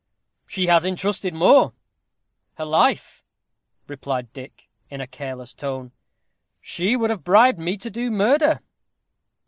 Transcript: "She has entrusted more her life," replied Dick, in a careless tone. "She would have bribed me to do murder."